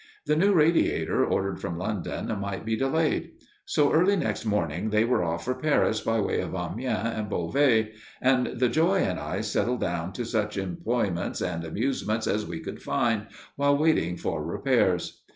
The new radiator ordered from London might be delayed. So, early next morning they were off for Paris by way of Amiens and Beauvais, and the Joy and I settled down to such employments and amusements as we could find while waiting for repairs.